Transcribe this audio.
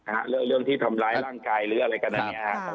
อ่ะเรื่องที่ทำร้ายร่างกายหรืออะไรกันนะเนี่ยครับ